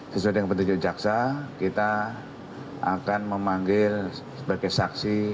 sesuai dengan petunjuk jaksa kita akan memanggil sebagai saksi